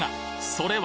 それは！